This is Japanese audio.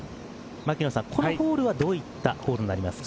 このホールはどういったホールになりますか。